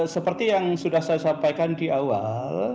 seperti yang sudah saya sampaikan di awal